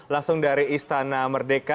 langsung dari istana merdeka